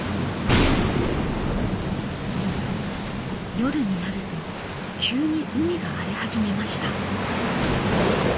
夜になると急に海が荒れ始めました。